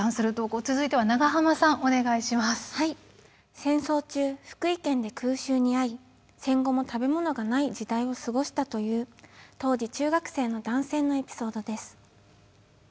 戦争中福井県で空襲に遭い戦後も食べ物がない時代を過ごしたという当時中学生の男性のエピソードです。